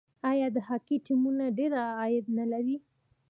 آیا د هاکي ټیمونه ډیر عاید نلري؟